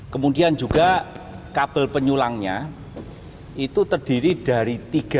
kemudian juga kabel penyulangnya itu terdiri dari tiga